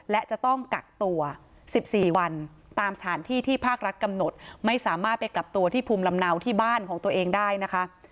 และจะต้องกักตัว๑๔วันตามสถานที่ที่ภาครัฐกำหนดไม่สามารถไปกลับตัวที่ภูมิลำเนาที่บ้านของตัวเองได้นะคะ